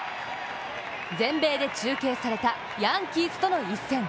全米で中継されたヤンキースとの一戦。